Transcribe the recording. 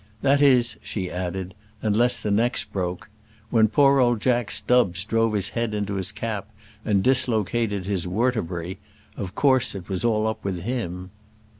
"That is," she added, "unless the neck's broke. When poor old Jack Stubbs drove his head into his cap and dislocated his wertebury, of course it was all up with him."